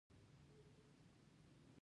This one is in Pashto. دغسې د قدرمند منشي نيکۀ توکل خان